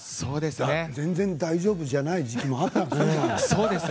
全然「大丈夫」じゃない時期もあったんでしょうね。